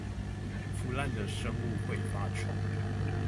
腐爛的生物會發臭